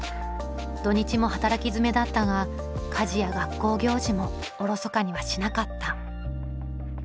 土日も働きづめだったが家事や学校行事もおろそかにはしなかった。